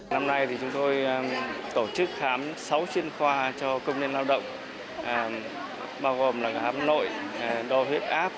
năm nay thì chúng tôi tổ chức khám sáu chuyên khoa cho công nhân lao động bao gồm là khám nội đo huyết áp